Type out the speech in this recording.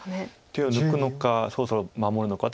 手を抜くのかそろそろ守るのか。